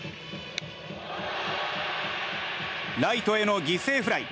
ライトへの犠牲フライ。